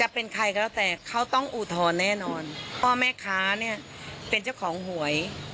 เพราะแม่ค้าเนี่ยเป็นเจ้าของหวย